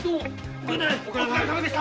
「お疲れさまでした」